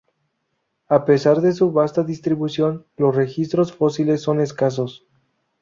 A pesar de su vasta distribución los registros fósiles son escasos.